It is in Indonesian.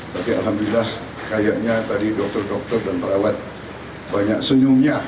tapi alhamdulillah kayaknya tadi dokter dokter dan perawat banyak senyumnya